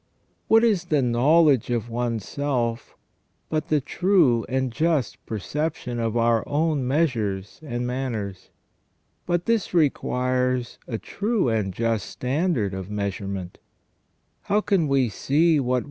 What is the knowledge of one's self but the true and just perception of our own measures and manners? But this requires a true and just standard of measurement. How can we see what ii8 SELF AND CONSCIENCE.